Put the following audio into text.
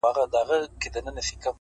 د دوى دا هيله ده ـ